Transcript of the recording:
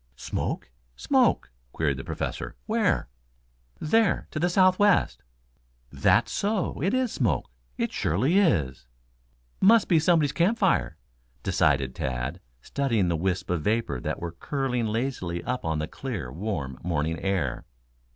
"Smoke, smoke?" queried the Professor. "Where?" "There, to the southwest." "That's so, it is smoke. It surely is." "Must be somebody's camp fire," decided Tad, studying the wisps of vapor that were curling lazily up on the clear, warm morning air.